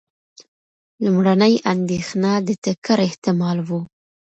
لومړنۍ اندېښنه د ټکر احتمال و.